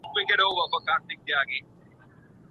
ولي لېواله انسان د پوه سړي په پرتله برخلیک بدلوي؟